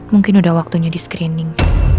mungkin udah waktunya di screening